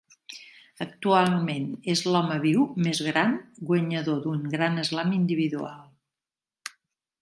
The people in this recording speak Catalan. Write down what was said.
Actualment és l'home viu més gran guanyador d'un Grand Slam individual.